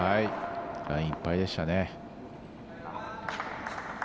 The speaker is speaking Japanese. ライン、いっぱいでした。